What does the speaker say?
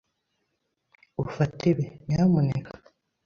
ufata ibi, nyamuneka?